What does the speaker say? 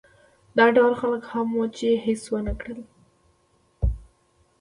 دا ډول خلک هم وو چې هېڅ ونه کړل.